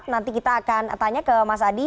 nanti kita akan tanya ke mas adi